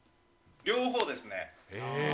両方ですね。